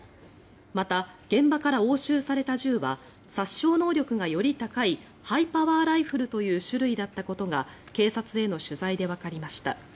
また、現場から押収された銃は殺傷能力がより高いハイパワーライフルという種類だったことが警察への取材でわかりました。